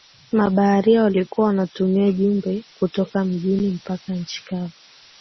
mabaharia walikuwa wanatuma jumbe kutoka majini mpaka nchi kavu